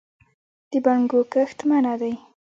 د بنګو کښت منع دی؟